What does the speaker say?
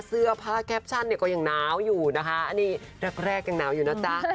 เสื้อพระแคปชั่นก็ยังนาวอยู่นะคะอันนี้แรกยังนาวอยู่นะจ๊ะ